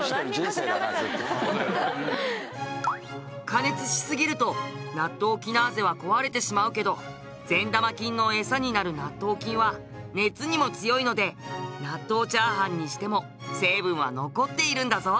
加熱しすぎるとナットウキナーゼは壊れてしまうけど善玉菌のエサになる納豆菌は熱にも強いので納豆チャーハンにしても成分は残っているんだぞ。